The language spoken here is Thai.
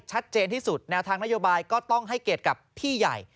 ชัดเจนที่สุดแนวทางนโยบายก็ต้องให้เกียรติกับพี่ใหญ่